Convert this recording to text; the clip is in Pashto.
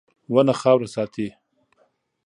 • ونه خاوره ساتي.